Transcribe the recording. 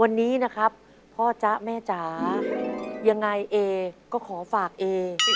วันนี้นะครับพ่อจ๊ะแม่จ๋ายังไงเอก็ขอฝากเอ